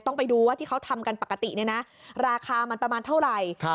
ไปดูว่าที่เขาทำกันปกติเนี่ยนะราคามันประมาณเท่าไหร่